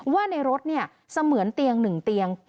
ว่าในรถเสมือนเตียงหนึ่งเตียง